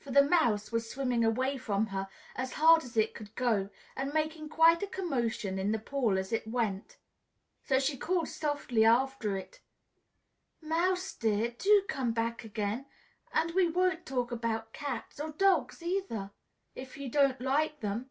For the Mouse was swimming away from her as hard as it could go, and making quite a commotion in the pool as it went. So she called softly after it, "Mouse dear! Do come back again, and we won't talk about cats, or dogs either, if you don't like them!"